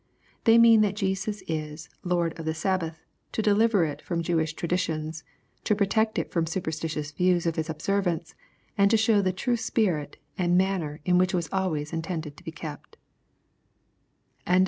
They mean that Jesus is " Lord of the Sabbath," to deliver it from Jewish traditions, to protect it from superstitious views of its observance, and to show the true spirit* and manner in which it was always intended to be kept LUKE VI.